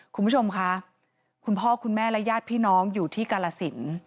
คุณผู้ชมค่ะคุณพ่อคุณแม่และญาติพี่น้องอยู่ที่กาลสิน